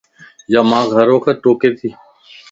يا مانک ھروقت ٽوڪي تي